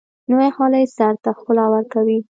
نوې خولۍ سر ته ښکلا ورکوي